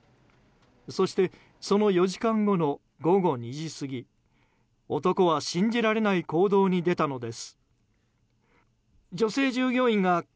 そしてその４時間後の午後２時過ぎ男は信じられない行動に出たのです。